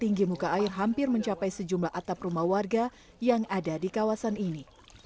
tinggi muka air hampir mencapai sejumlah atap rumah warga yang ada di kawasan ini